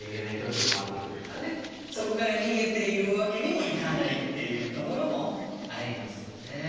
そこから逃げているわけにもいかないっていうところもありますよね。